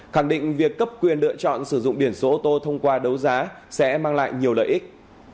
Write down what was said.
khẳng định việc cấp quyền lựa chọn sử dụng biển số ô tô thông qua đấu giá sẽ mang lại nhiều lợi ích